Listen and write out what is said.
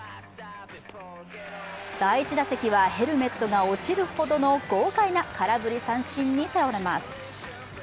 第１打席はヘルメットが落ちるほどの豪快な空振り三振に倒れます。